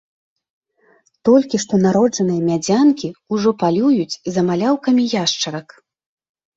Толькі што народжаныя мядзянкі ўжо палююць за маляўкамі яшчарак.